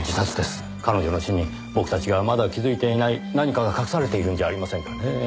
彼女の死に僕たちがまだ気づいていない何かが隠されているんじゃありませんかねぇ。